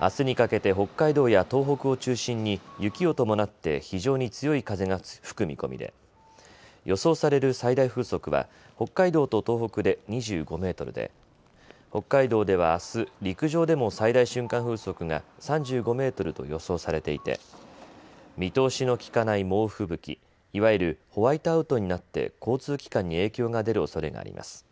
あすにかけて北海道や東北を中心に雪を伴って非常に強い風が吹く見込みで予想される最大風速は北海道と東北で２５メートルで北海道ではあす陸上でも最大瞬間風速が３５メートルと予想されていて見通しの利かない猛吹雪、いわゆるホワイトアウトになって交通機関に影響が出るおそれがあります。